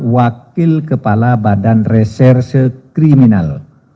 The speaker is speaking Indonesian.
wakil kepala badan reserse kriminal